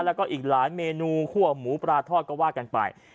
แล้วก็อีกหลายเมนูคั่วหมูปลาทอดก็ว่ากันไป